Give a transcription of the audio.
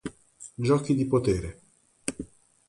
Giochi di potere